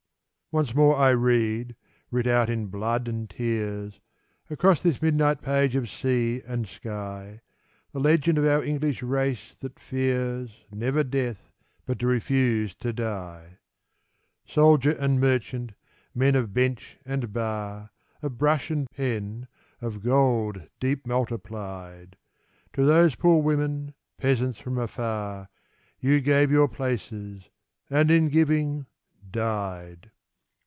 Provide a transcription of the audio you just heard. Once more I read, writ out in blood and tears, Across this midnight page of sea and sky, The legend of our English race that fears, never death, but to refuse to die ! Soldier and merchant, men of bench and bar. Of brush and pen, of gold deep multiplied, To those poor women, peasants from afar. You gave your places, and in giving died